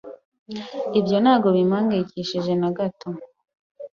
Ibyo ntabwo bimpangayikishije na gato.